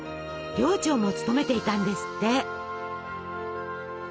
寮長も務めていたんですって。